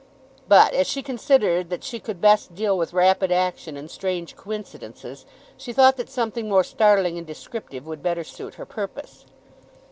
But as she considered that she could best deal with rapid action and strange coincidences, she thought that something more startling and descriptive would better suit her purpose.